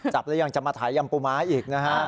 จับแล้วยังจะมาถ่ายยำปูม้าอีกนะฮะ